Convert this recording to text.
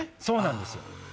そうなんですよ！